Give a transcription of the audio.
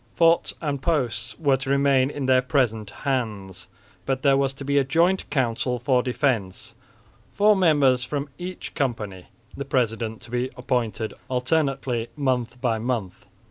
Forts and posts were to remain in their present hands, but there was to be a joint council for defence, four members from each company, the president to be appointed alternately month by month.